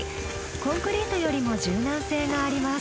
コンクリートよりも柔軟性があります。